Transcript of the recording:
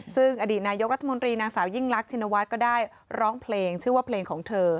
ซึ่งอดีตนายกรัฐมนตรีนางสาวยิ่งรักชินวัฒน์ก็ได้ร้องเพลงชื่อว่าเพลงของเธอ